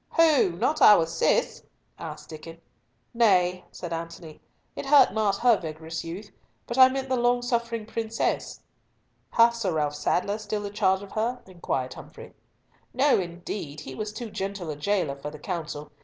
"Who? Not our Cis?" asked Diccon. "Nay," said Antony, "it hurt not her vigorous youth—but I meant the long suffering princess." "Hath Sir Ralf Sadler still the charge of her?" inquired Humfrey. "No, indeed. He was too gentle a jailer for the Council.